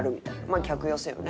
まあ客寄せよね。